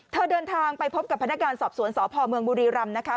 เธอเดินทางไปพบกับพนักงานสอบสวนศพมบุรีรัมน์นะฮะ